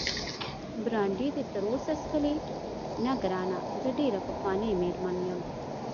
برانډي دې تراوسه څښلی؟ نه ګرانه، زه ډېره پخوانۍ مېرمن یم.